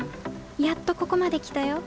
やっとここまできたよ。